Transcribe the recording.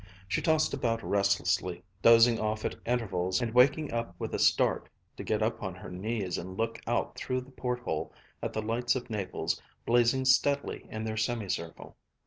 She tossed about restlessly, dozing off at intervals and waking with a start to get up on her knees and look out through the port hole at the lights of Naples blazing steadily in their semicircle.